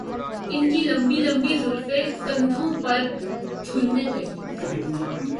ان کی لمبی لمبی زلفیں کندھوں پر جھولنے لگیں